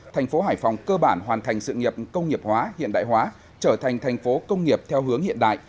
thành phố hải phòng cơ bản hoàn thành sự nghiệp công nghiệp hóa hiện đại hóa trở thành thành phố công nghiệp theo hướng hiện đại